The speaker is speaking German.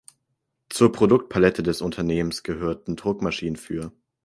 Zur Produktpalette des Unternehmens gehörten Druckmaschinen für